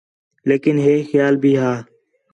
لیکن ہِے خیال بھی ہا